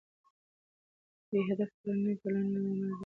بې هدفه کړنې ټولنیز عمل نه ګڼل کېږي.